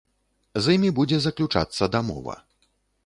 З імі будзе заключацца дамова.